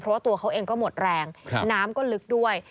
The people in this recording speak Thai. เพราะว่าตัวเขาเองก็หมดแรงน้ำก็ลึกด้วย